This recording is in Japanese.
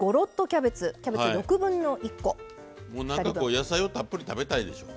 野菜をたっぷり食べたいでしょう。